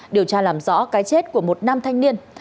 điều tra làm rõ cái chết của một nam thanh niên